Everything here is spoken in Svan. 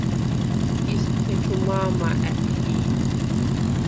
ისგთეჩუ მა̄მა ა̈თჰი̄დ.